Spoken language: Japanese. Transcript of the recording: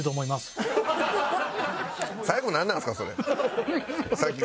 最後なんなんですか？